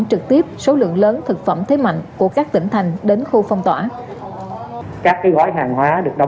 thì cái nhóm chín đến một mươi giờ